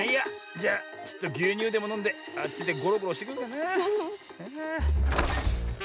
じゃちょっとぎゅうにゅうでものんであっちでごろごろしてくるかなあ。